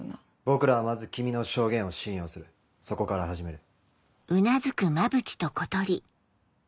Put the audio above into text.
僕らはまず君の証言を信用するそこから始める。